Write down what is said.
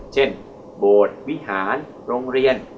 เช่นโบรธวิหารโรงเรียน